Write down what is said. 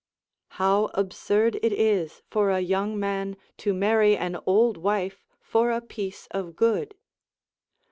How absurd it is for a young man to marry an old wife for a piece of good.